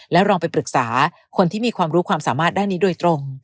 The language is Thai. ลองไปปรึกษาคนที่มีความรู้ความสามารถด้านนี้โดยตรง